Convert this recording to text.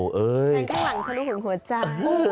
แทงบงทะลุของหัวจา